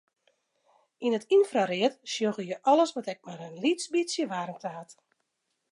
Yn it ynfraread sjogge je alles wat ek mar in lyts bytsje waarmte hat.